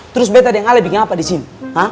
terus bet ada yang ale bikin apa di sini